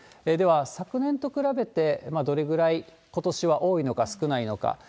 では、昨年と比べて、どれぐらいことしは多いのか少ないのか。